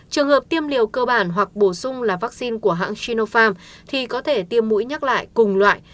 trường hợp tiêm liều cơ bản hoặc bổ sung là vaccine của hãng chinofarm thì có thể tiêm mũi nhắc lại cùng loại